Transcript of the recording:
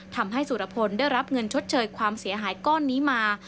ทำให้สุรพลได้รับเงินชดเชยความเสียหายก้อนนี้มา